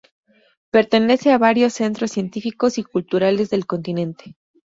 Pertenece a varios centros científicos y culturales del continente.